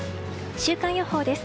週間予報です。